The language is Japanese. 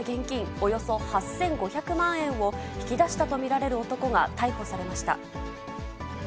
およそ８５００万円を、引き出したと見られる男が逮捕されました。